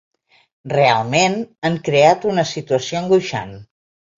Realment, han creat una situació angoixant.